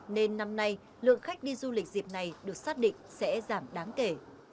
nên năm nay lượng khách đi du lịch dịp này được xác định sẽ giảm đáng kể